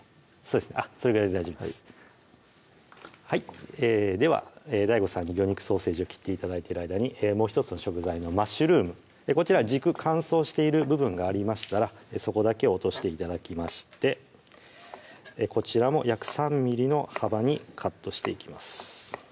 あっそれぐらいで大丈夫ですではＤＡＩＧＯさんに魚肉ソーセージを切って頂いている間にもう１つの食材のマッシュルームこちら軸乾燥している部分がありましたらそこだけ落として頂きましてこちらも約３ｍｍの幅にカットしていきます